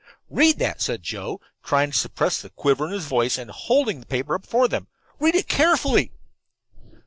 "Read that," said Joe, trying to suppress the quiver in his voice, and holding the paper up before them. "Read it carefully."